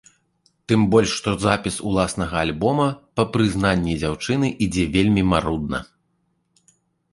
Тым больш, што запіс уласнага альбома, па прызнанні дзяўчыны, ідзе вельмі марудна.